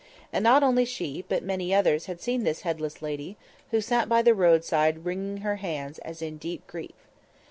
And not only she, but many others, had seen this headless lady, who sat by the roadside wringing her hands as in deep grief.